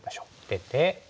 出て。